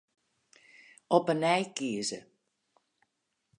Op 'e nij kieze.